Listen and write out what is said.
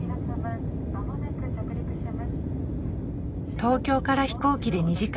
東京から飛行機で２時間。